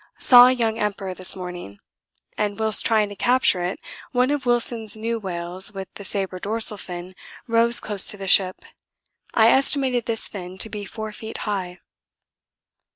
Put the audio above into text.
Saw a young Emperor this morning, and whilst trying to capture it one of Wilson's new whales with the sabre dorsal fin rose close to the ship. I estimated this fin to be 4 feet high.